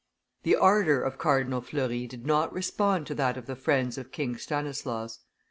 The ardor of Cardinal Fleury did not respond to that of the friends of King Stanislaus.